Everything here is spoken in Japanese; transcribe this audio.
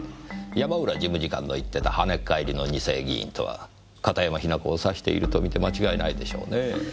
山浦事務次官の言ってた跳ねっ返りの二世議員とは片山雛子を指していると見て間違いないでしょうねぇ。